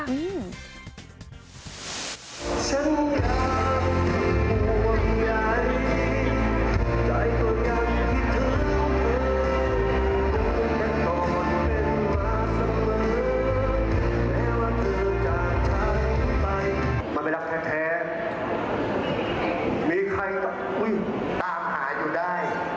มันเป็นรักแท้มีใครจะตามหาอยู่ได้